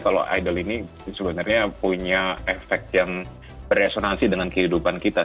kalau idol ini sebenarnya punya efek yang beresonansi dengan kehidupan kita